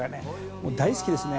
もう、大好きですね。